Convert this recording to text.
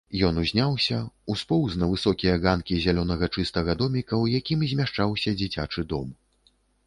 Ён узняўся, успоўз на высокія ганкі зялёнага чыстага доміка, у якім змяшчаўся дзіцячы дом.